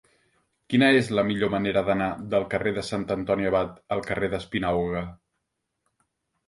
Quina és la millor manera d'anar del carrer de Sant Antoni Abat al carrer d'Espinauga?